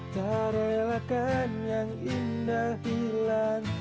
cara relakan yang indah hilang